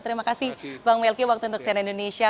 terima kasih bang melki waktu untuk siena indonesia